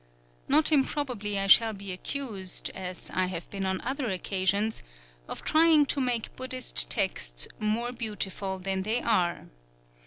Not improbably I shall be accused, as I have been on other occasions, of trying to make Buddhist texts "more beautiful than they are."